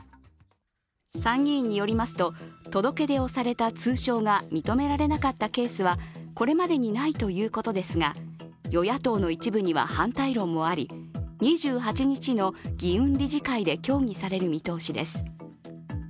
参議院によりますと、届け出をされた通称が認められなかったケースはこれまでにないということですが与野党の一部には反対論もあり２８日の議運理事会で協議される見通しです。